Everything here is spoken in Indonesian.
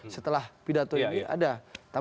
setelah pidato ini ada